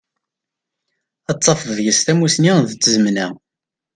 Dd tafeḍ deg-s tamusni d tzemna.